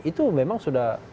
itu memang sudah